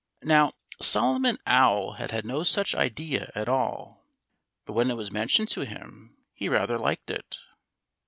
Now, Solomon Owl had had no such idea at all. But when it was mentioned to him, he rather liked it.